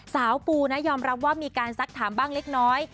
ปูนะยอมรับว่ามีการซักถามบ้างเล็กน้อย